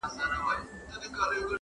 مینه که وي جرم قاسم یار یې پرستش کوي,